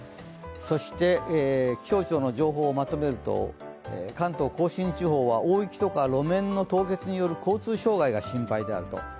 そして気象庁の情報をまとめると、関東甲信地方は大雪とか路面の凍結による交通傷害が心配であると。